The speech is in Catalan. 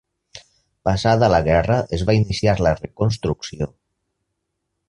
Passada la guerra es va iniciar la reconstrucció.